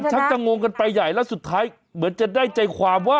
ชักจะงงกันไปใหญ่แล้วสุดท้ายเหมือนจะได้ใจความว่า